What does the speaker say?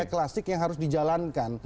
klasik yang harus dijalankan